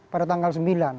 pada tanggal sembilan